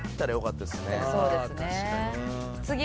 そうですね。